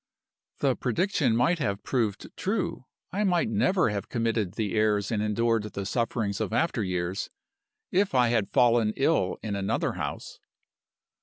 "The prediction might have proved true I might never have committed the errors and endured the sufferings of after years if I had fallen ill in another house.